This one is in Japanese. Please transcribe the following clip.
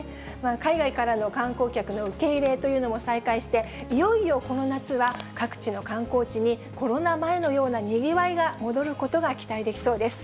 海外からの観光客の受け入れというのも再開して、いよいよこの夏は、各地の観光地にコロナ前のようなにぎわいが戻ることが期待できそうです。